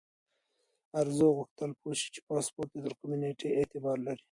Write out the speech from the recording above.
ارزو غوښتل پوه شي چې پاسپورت تر کومې نیټې اعتبار لري.